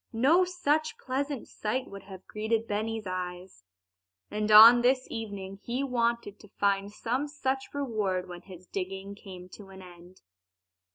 No such pleasant sight would have greeted Benny's eyes. And on this evening he wanted to find some such reward when his digging came to an end.